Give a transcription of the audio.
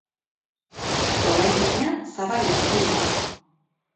Orain, baina, zabalik dago jada.